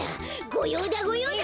ごようだごようだ！